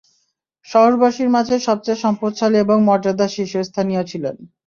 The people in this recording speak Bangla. শহরবাসীর মাঝে সবচেয়ে সম্পদশালী এবং মর্যাদায় শীর্ষস্থানীয় ছিলেন।